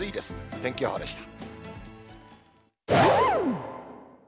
天気予報でした。